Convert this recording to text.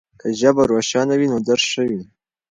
که ژبه روښانه وي نو درس ښه وي.